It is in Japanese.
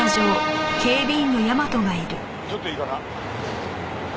ちょっといいかな？